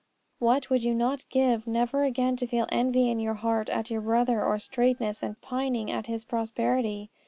What would you not give never again to feel envy in your heart at your brother, or straitness and pining at his prosperity?